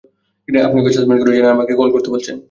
আপনি ওকে সাসপেন্ড করেছেন আর আমাকে কল করতে বলছেন?